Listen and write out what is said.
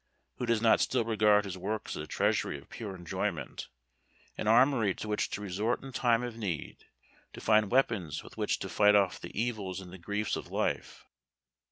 Who does not still regard his works as a treasury of pure enjoyment, an armory to which to resort in time of need, to find weapons with which to fight off the evils and the griefs of life?